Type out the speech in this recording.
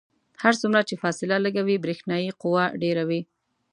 هر څومره چې فاصله لږه وي برېښنايي قوه ډیره وي.